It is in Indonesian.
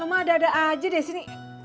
ehm ma ada ada aja di sini